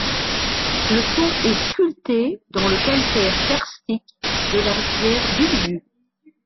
Le pont est sculpté dans le calcaire karstique de la rivière Buliu.